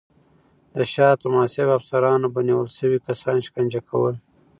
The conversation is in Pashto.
د شاه طهماسب افسرانو به نیول شوي کسان شکنجه کول.